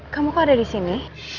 kamu kok ada disini